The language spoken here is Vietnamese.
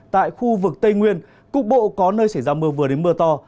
tại khu vực tây nguyên cục bộ có nơi xảy ra mưa vừa đến mưa to